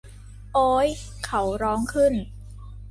โอ้ย เขาร้องขึ้น